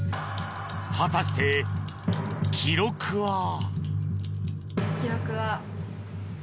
果たして、記録は。